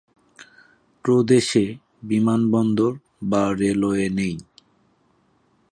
প্রদেশে বিমানবন্দর বা রেলওয়ে নেই।